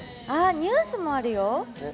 ニュースもあるよ。